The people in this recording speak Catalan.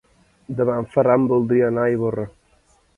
Demà en Ferran voldria anar a Ivorra.